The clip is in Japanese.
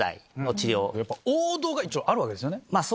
王道が一応あるわけですよね。